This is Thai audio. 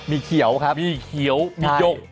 มีเขียวครับมีเขียวมีหยก